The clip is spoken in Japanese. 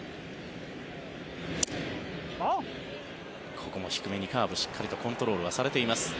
ここも低めにカーブしっかりコントロールされています。